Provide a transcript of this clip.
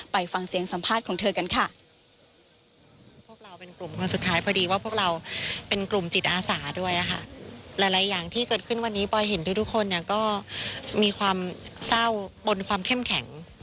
ไปฟังเสียงสัมภาษณ์ของเธอกันค่ะ